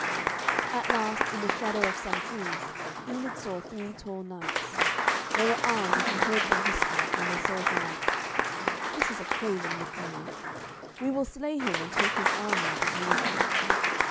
At last in the shadow of some trees, Enid saw three tall knights. They were armed, and she heard them whisper, when they saw Geraint, 'This is a craven looking knight. We will slay him, and take his armour and his maiden.'